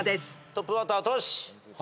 トップバッタートシ。